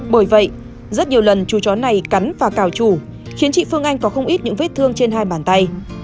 bởi vậy rất nhiều lần chú chó này cắn vào cào chủ khiến chị phương anh có không ít những vết thương trên hai bàn tay